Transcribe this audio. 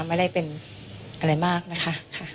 ไม่ได้เป็นอะไรมากนะคะ